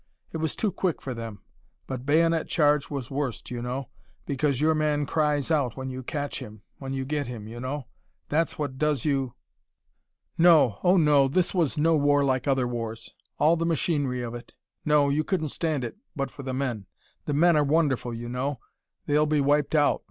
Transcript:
It was too quick for them But bayonet charge was worst, you know. Because your man cries out when you catch him, when you get him, you know. That's what does you.... "No, oh no, this was no war like other wars. All the machinery of it. No, you couldn't stand it, but for the men. The men are wonderful, you know. They'll be wiped out....